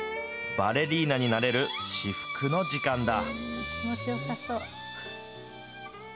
バレリーナになれる至福の時間だ。